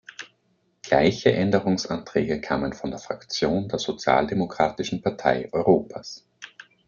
Gleiche Änderungsanträge kamen von der Fraktion der Sozialdemokratischen Partei Europas.